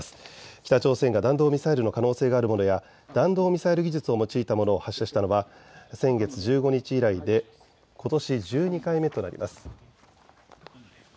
北朝鮮が弾道ミサイルの可能性があるものや弾道ミサイル技術を用いたものを発射したのは先月１５日以来でことし１２回目となります。